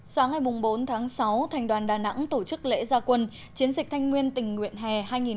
sáng ngày bốn tháng sáu thành đoàn đà nẵng tổ chức lễ gia quân chiến dịch thanh nguyên tình nguyện hè hai nghìn một mươi chín